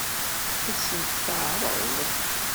Ad sent-t-teɛṛeḍ?